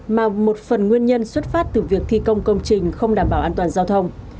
mà một phần nguyên nhân xuất phát từ việc thi công công trình không đảm bảo an toàn giao thông